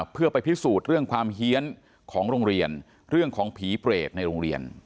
เพื่อไปพิสูจน์เรื่องความเฮียนของโรงเรียนเรื่องของผีเปรตในโรงเรียน